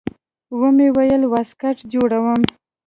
ومې ويل واسکټ جوړوم.